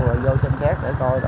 vô xem xét để coi